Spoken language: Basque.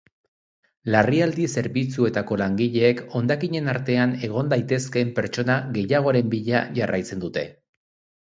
Larrialdi zerbitzuetako langileek hondakinen artean egon daitezkeen pertsona gehiagoren bila jarraitzen dute.